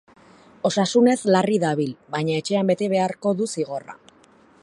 Osasunez larri dabil, baina etxean bete beharko du zigorra.